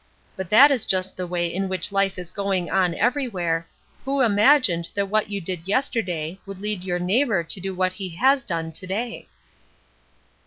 But that is just the way in which life is going on every where, who imagined that what you did yesterday, would lead your neighbor to do what he has done to day?